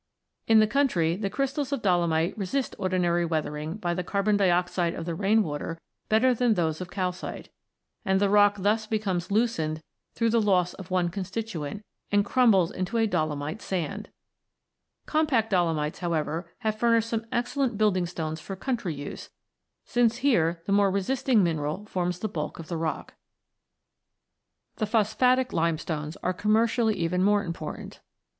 In the country, the crystals of dolomite resist ordinary weathering by the carbon dioxide of the rain water better than those of calcite ; and the rock thus becomes loosened through the loss of one constituent, and crumbles into a dolomite sand (20). Compact dolomites, however, have furnished some excellent building stones for country use, since here the more resisting mineral forms the bulk of the rock. The Phosphatic Limestones are commercially even more important.